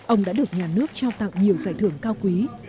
ông đã được nhà nước trao tặng nhiều giải thưởng cao quý